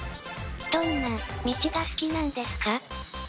どんな道が好きなんですか？